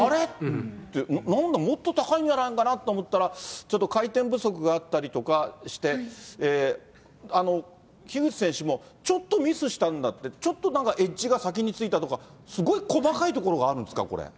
って、なんで、もっと高いんじゃないかなと思って、ちょっと回転不足があったりとかして、樋口選手もちょっとミスしたんだって、ちょっとなんか、エッジが先についたとか、すごい細かいところがあるんですか。